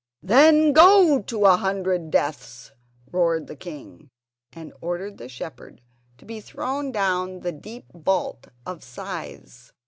"Then go to a hundred deaths!" roared the king, and ordered the shepherd to be thrown down the deep vault of scythes.